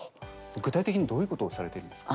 具体的にどういうことをされてるんですか？